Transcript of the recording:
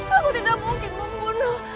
aku tidak mungkin membunuh